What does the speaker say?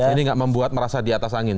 jadi ini tidak membuat merasa di atas angin